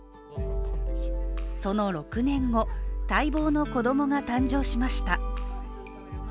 その６年後、待望の子供が誕生しました。